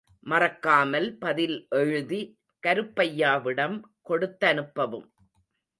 மறக்காமல் பதில் எழுதி கருப்பையாவிடம் கொடுத்தனுப்பவும்.